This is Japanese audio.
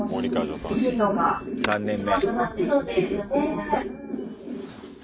３年目。